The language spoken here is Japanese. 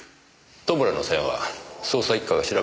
戸村の線は捜査一課が調べているでしょう。